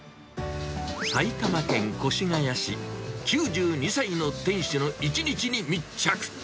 埼玉県越谷市、９２歳の店主の一日に密着。